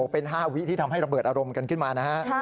เป็น๕วิที่ทำให้ระเบิดอารมณ์กันขึ้นมานะฮะ